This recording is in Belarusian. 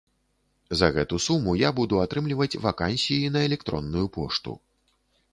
За гэту суму я буду атрымліваць вакансіі на электронную пошту.